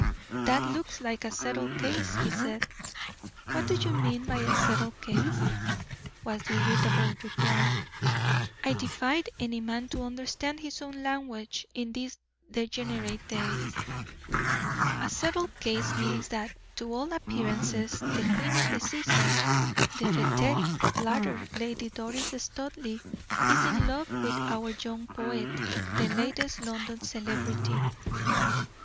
"That looks like a settled case," he said. "What do you mean by a settled case?" was the irritable reply. "I defy any man to understand his own language in these degenerate days." "A settled case means that, to all appearances the queen of the season, the feted, flattered Lady Doris Studleigh is in love with our young poet, the latest London celebrity."